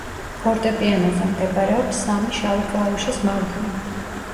ფორტეპიანოზე მდებარეობს სამი შავი კლავიშის მარჯვნივ.